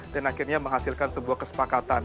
dan akhirnya menghasilkan sebuah kesepakatan